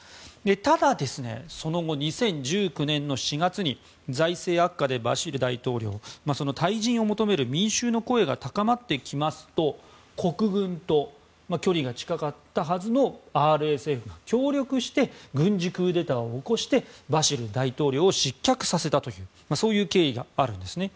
ただ、その後２０１９年の４月に財政悪化で、バシル大統領退陣を求める民衆の声が高まってきますと国軍と、距離が近かったはずのＲＳＦと協力をして軍事クーデターを起こしてバシル大統領を失脚させたというそういう経緯があるんですね。